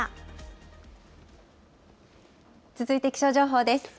続いて気象情報です。